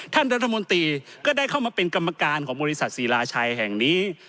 ท่านรัฐมนตรีก็ได้เข้ามาเป็นกรรมการของบริษัทศิลาชัยแห่งนี้